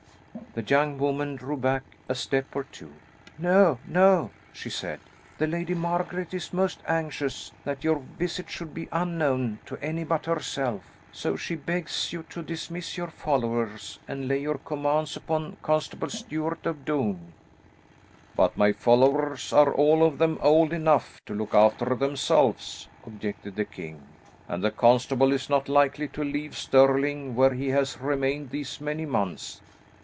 The young woman drew back a step or two. "No, no," she said. "The Lady Margaret is most anxious that your visit should be unknown to any but herself, so she begs you to dismiss your followers and lay your commands upon Constable Stuart of Doune." "But my followers are all of them old enough to look after themselves," objected the king, "and the constable is not likely to leave Stirling where he has remained these many months."